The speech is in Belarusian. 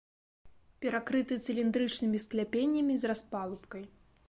Перакрыты цыліндрычнымі скляпеннямі з распалубкай.